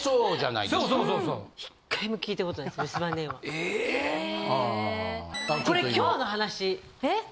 ・これ今日の話。え！？